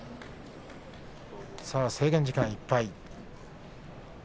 制限時間いっぱい。